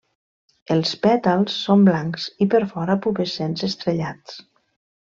Els pètals són blancs i per fora pubescents estrellats.